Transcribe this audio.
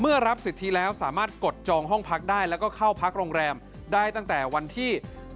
รับสิทธิแล้วสามารถกดจองห้องพักได้แล้วก็เข้าพักโรงแรมได้ตั้งแต่วันที่